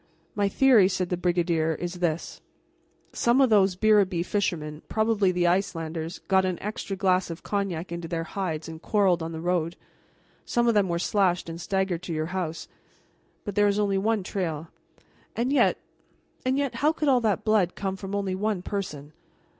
"My theory," said the brigadier, "is this: Some of those Biribi fishermen, probably the Icelanders, got an extra glass of cognac into their hides and quarreled on the road. Some of them were slashed, and staggered to your house. But there is only one trail, and yet and yet, how could all that blood come from only one person?